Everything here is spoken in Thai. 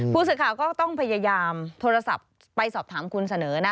ผู้สื่อข่าวก็ต้องพยายามโทรศัพท์ไปสอบถามคุณเสนอนะ